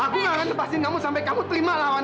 aku gak akan lepasin kamu sampai kamu terima lawanan aku ini